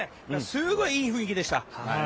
すごいいい雰囲気でした。